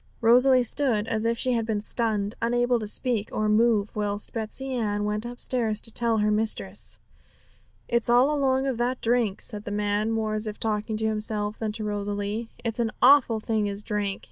Rosalie stood as if she had been stunned, unable to speak or move, whilst Betsey Ann went upstairs to tell her mistress. 'It's all along of that drink,' said the man, more as if talking to himself than to Rosalie. 'It's an awful thing is drink.